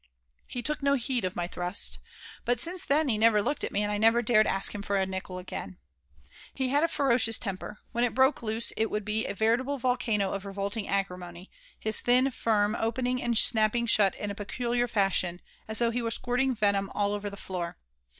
He took no heed of my thrust. But since then he never looked at me and I never dared ask him for a nickel again He had a ferocious temper. When it broke loose it would be a veritable volcano of revolting acrimony, his thin, firm opening and snapping shut in a peculiar fashion, as though he were squirting venom all over the floor.